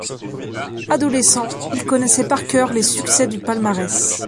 Adolescent, il connaissait par cœur les succès du palmarès.